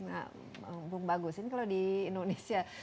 nah bung bagus ini kalau di indonesia